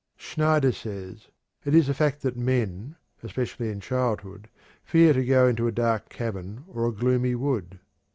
Schneider says: "It is a fact that men, especially in childhood, fear to go into a dark cavern, or a gloomy wood.